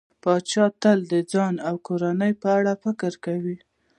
پاچا تل د ځان او کورنۍ په اړه فکر کوي.